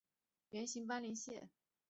圆形鳞斑蟹为扇蟹科鳞斑蟹属的动物。